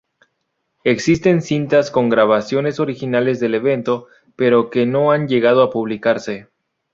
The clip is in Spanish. Existen cintas con grabaciones originales del evento, pero que no han llegado a publicarse.